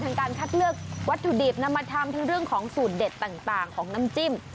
การคัดเลือกวัตถุดิบนำมาทำทั้งเรื่องของสูตรเด็ดต่างของน้ำจิ้ม